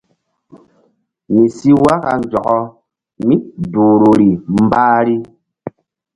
Mi si waka nzɔkɔ mí duhruri mbahri.